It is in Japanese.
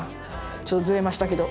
ちょっとずれましたけど。